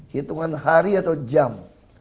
hitungan hari atau jam